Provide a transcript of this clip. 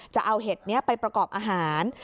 จะเอาเห็ดนี้ไปประกอบอาหาร